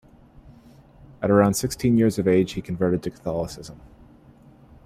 At around sixteen years of age he converted to Catholicism.